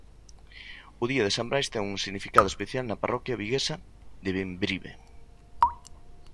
O día de San Brais ten un significado especial na parroquia viguesa de Bembrive.